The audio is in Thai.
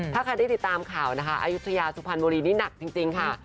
ถ้าใครได้ติดตามข่าวอายุทศัยาสุภัณฑ์มรีนี้หนักจริง